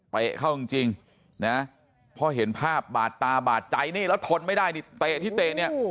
เกิดเล่นกลัวด้วย๘๐รูปหญิงนะเห็นภาพบาดตาบาดใจนี่แล้ว